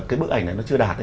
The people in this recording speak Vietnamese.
cái bức ảnh này nó chưa đạt